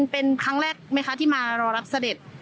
เป็นครั้งแรกไหมคะที่มารอรับเสด็จ